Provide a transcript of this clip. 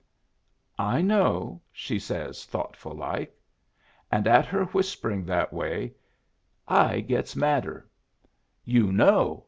"'I know," she says, thoughtful like. "And at her whispering that way I gets madder. "'You know!'